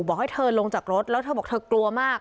บอกให้เธอลงจากรถแล้วเธอบอกเธอกลัวมาก